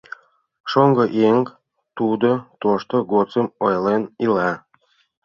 Шоҥго еҥ тудо тошто годсым ойлен ила...